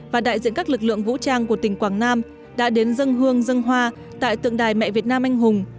và đại diện các lực lượng vũ trang của tỉnh quảng nam đã đến dân hương dân hoa tại tượng đài mẹ việt nam anh hùng